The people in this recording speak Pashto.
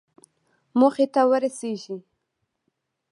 موخې ته ورسېږئ